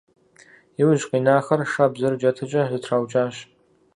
Иужь къинахэр шабзэрэ джатэкӏэ зэтраукӏащ.